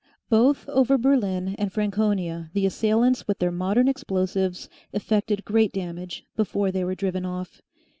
Both over Berlin and Franconia the assailants with their modern explosives effected great damage before they were driven off.